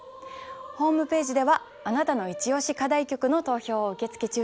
ホームページではあなたのイチオシ課題曲の投票を受け付け中です。